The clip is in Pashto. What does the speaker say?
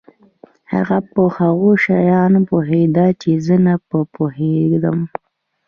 هغه په هغو شیانو پوهېده چې زه نه په پوهېدم.